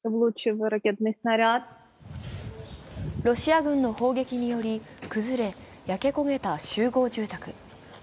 ロシア軍の砲撃により崩れ、焼け焦げた集合住宅。